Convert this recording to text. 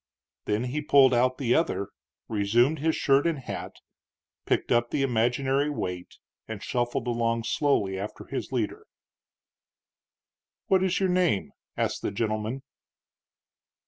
Then he pulled out the other, resumed his shirt and hat, picked up the imaginary weight, and shuffled along slowly after his leader. "What is your name?" asked the gentleman.